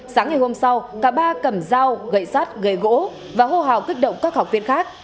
sáng ngày hôm sau cả ba cầm dao gậy sát gầy gỗ và hô hào kích động các học viên khác